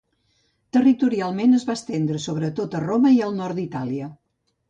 Territorialment es va estendre sobretot a Roma i al nord d'Itàlia.